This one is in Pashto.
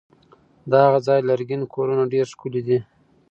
د هغه ځای لرګین کورونه ډېر ښکلي دي.